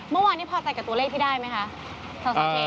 เมื่อวานนี้พอใจกับตัวเลขที่ได้ไหมคะ